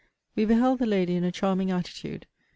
We beheld the lady in a charming attitude.